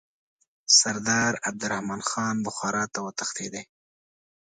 سردار عبدالرحمن خان بخارا ته وتښتېدی.